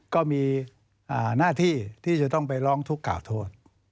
ก็มีหน้าที่ที่จะต้องไปร้องทุกข่าโทษ